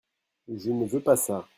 Je ne veux pa ça.